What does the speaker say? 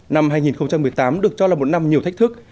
năm hai nghìn một mươi tám được cho là một năm nhiều thách thức